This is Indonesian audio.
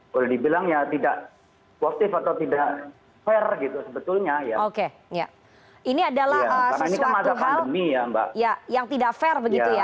boleh dibilang tidak positif atau tidak fair